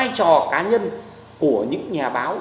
cái vai trò cá nhân của những nhà báo